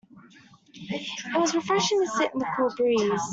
It was refreshing to sit in the cool breeze.